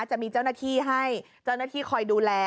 จะมีเจ้าหน้าที่ให้เจ้าหน้าที่คอยดูแล